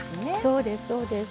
そうですそうです。